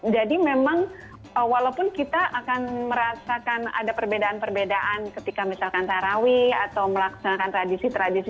jadi memang walaupun kita akan merasakan ada perbedaan perbedaan ketika misalkan taraweh atau melaksanakan tradisi tradisi